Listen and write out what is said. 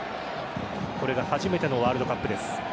これが初めてのワールドカップです。